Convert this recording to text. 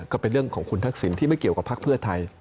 ก็เป็นเรื่องของคุณทักษิณที่ไม่เกี่ยวกับภักดิ์เพื่อไทย